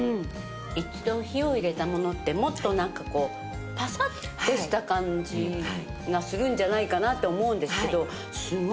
一度火を入れたものってもっとなんかこうパサッてした感じがするんじゃないかなって思うんですけど。